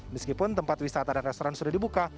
meskipun tempat wisata dan restoran sudah dibuka